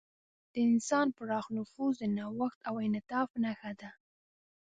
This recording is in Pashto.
د انسان پراخ نفوذ د نوښت او انعطاف نښه ده.